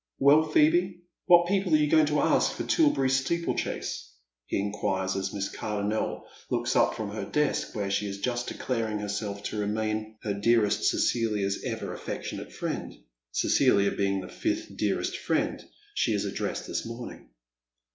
" Well, Phoebe, what people are you going to ask for Tilberry steeplechase ?" he inquires, as Miss Cardonnel looks up from her desk, where she is just declaring herself to remain her dearest Cecilia's ever affectionate friend — Cecilia being the fifth dearest finend she has addressed this morning.